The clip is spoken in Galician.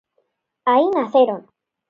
Aí naceron.